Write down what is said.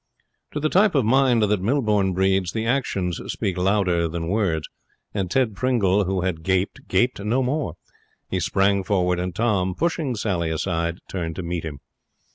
To the type of mind that Millbourne breeds, actions speak louder than words, and Ted Pringle, who had gaped, gaped no more. He sprang forward, and Tom, pushing Sally aside, turned to meet him.